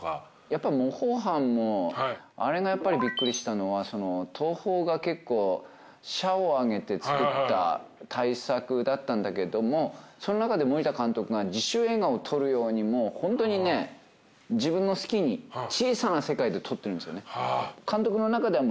やっぱ『模倣犯』のあれがびっくりしたのは東宝が結構社を挙げて作った大作だったんだけどもその中で森田監督が自主映画を撮るようにホントに自分の好きに小さな世界で撮ってるんですよね。